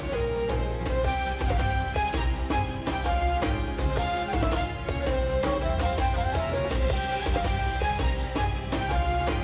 waalaikumsalam warahmatullahi wabarakatuh